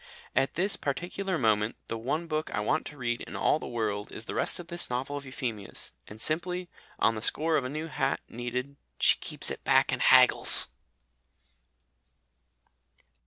At this particular moment the one book I want to read in all the world is the rest of this novel of Euphemia's. And simply, on the score of a new hat needed, she keeps it back and haggles!